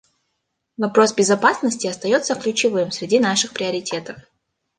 Вопрос безопасности остается ключевым среди наших приоритетов.